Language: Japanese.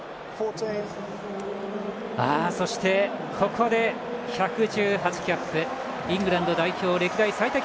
ここで１１８キャップイングランド代表歴代最多